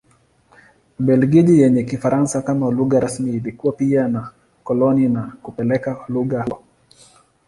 Ubelgiji yenye Kifaransa kama lugha rasmi ilikuwa pia na koloni na kupeleka lugha huko.